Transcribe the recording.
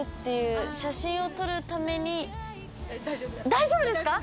大丈夫ですか？